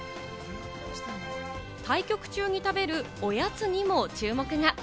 対局中に食べるおやつにも注目が。